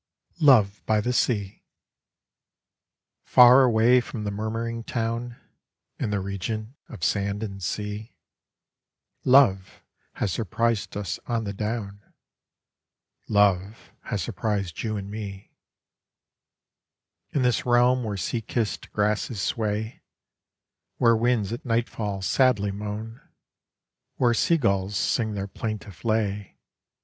Love By The Ssa far away frtxa the murmuring town , In the region of sand and sea, Love has surprised us on the down Love ha 8 surprised you and ma in this realm where sea kissed grasses sway, Where winds at nightfall sadly moan, 'Where aea ^ulls sing their plaintive lay.